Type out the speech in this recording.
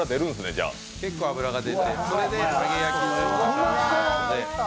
結構、油が出て、それで揚げ焼きのような感じになるので。